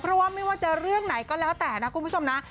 เพราะว่าไม่ว่าจะเรื่องไหนก็แล้วแต่นะคุณผู้ชมนะ